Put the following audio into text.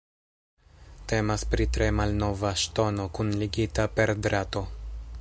Temas pri tre malnova ŝtono kunligita per drato.